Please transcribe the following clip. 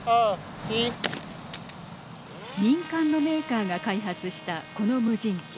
民間のメーカーが開発したこの無人機。